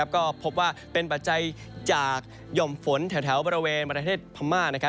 ก็พบว่าเป็นปัจจัยจากหย่อมฝนแถวบริเวณประเทศพม่า